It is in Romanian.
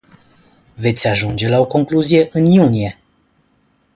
Veți ajunge la o concluzie în iunie?